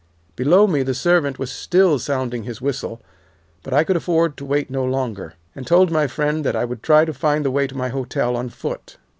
"Below me the servant was still sounding his whistle, but I could afford to wait no longer, and told my friend that I would try and find the way to my hotel on foot.